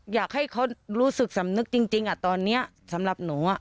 อยากให้เขารู้สึกสำนึกจริงตอนนี้สำหรับหนู